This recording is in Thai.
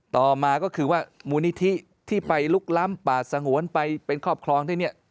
ต่อมาก็คือว่ามูลนิธิที่ไปลุกล้ำป่าสงวนไปเป็นครอบครองที่นี่